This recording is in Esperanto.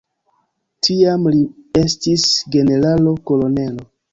Tiam li estis generalo-kolonelo.